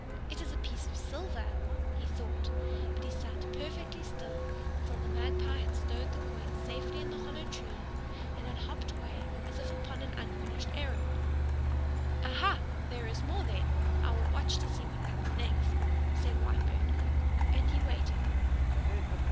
"It is a piece of silver!" he thought, but he sat perfectly still until the Magpie had stowed the coin safely in the hollow tree and had hopped away as if upon an unfinished errand. "Aha! there is more then. I will watch to see what comes next," said Whitebird. And he waited.